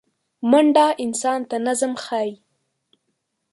منډه انسان ته نظم ښيي